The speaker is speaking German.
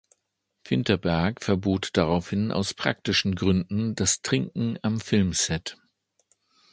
Vinterberg verbot daraufhin aus praktischen Gründen das Trinken am Filmset.